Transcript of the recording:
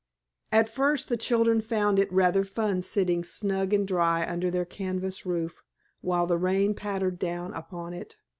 At first the children found it rather fun sitting snug and dry under their canvas roof while the rain pattered down upon it.